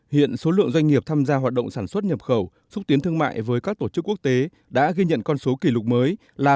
hiện số lượng doanh nghiệp tham gia hoạt động sản xuất nhập khẩu xúc tiến thương mại với các tổ chức quốc tế đã ghi nhận con số kỷ lục mới là tám mươi năm sáu trăm linh